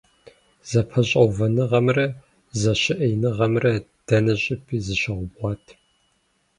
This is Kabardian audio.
ЗэпэщӀэувэныгъэмрэ зэщыӀеиныгъэмрэ дэнэ щӀыпӀи зыщаубгъуат.